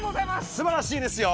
すばらしいですよ。